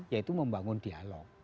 yaitu membangun dialog